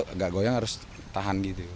enggak goyang harus tahan gitu